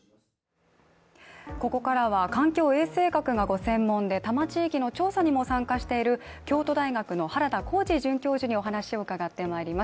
ここからは環境衛生学がご専門で多摩地域の調査にも参加している京都大学の原田浩二准教授にお話を伺ってまいります。